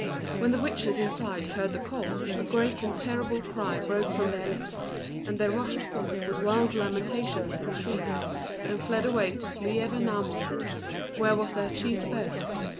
When the witches inside heard the call, a great and terrible cry broke from their lips, and they rushed forth with wild lamentations and shrieks, and fled away to Slievenamon, where was their chief abode.